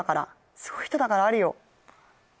すごい人だからあるよ。